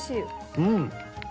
うん。